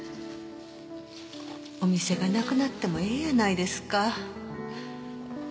お店がなくなってもええやないですか。